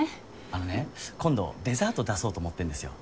あのね今度デザート出そうと思ってんですよ